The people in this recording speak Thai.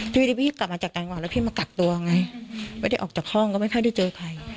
ทีนี้กลับมาจากอังกฤษแล้วพี่มีกักตัวไงเขาได้ออกจากห้องก็ไม่ได้เจอใคร